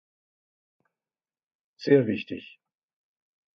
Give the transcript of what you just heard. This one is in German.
Sehr wichtig.